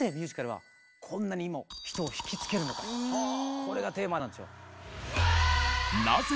これがテーマなんですよ。